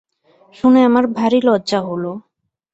শুনে আমার ভারি লজ্জা হল।